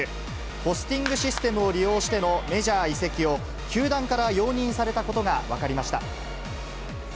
ポスティングシステムを利用してのメジャー移籍を、球団から容認されたことが分かりました。